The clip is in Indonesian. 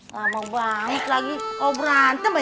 lama banget lagi kau berantem